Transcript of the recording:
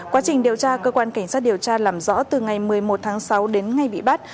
quá trình điều tra cơ quan cảnh sát điều tra làm rõ từ ngày một mươi một tháng sáu đến ngày bị bắt